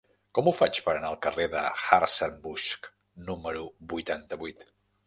Com ho faig per anar al carrer de Hartzenbusch número vuitanta-vuit?